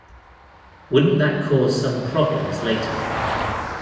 Wouldn't that cause some problems later?